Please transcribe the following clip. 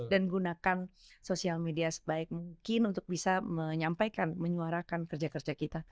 dan gunakan sosial media sebaik mungkin untuk bisa menyampaikan menyuarakan kerja kerja kita